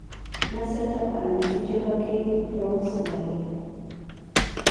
نثر ته په انګريزي ژبه کي Prose وايي.